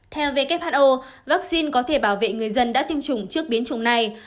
theo who vaccine có thể bảo vệ người dân đã tiêm chủng trước biến chủng này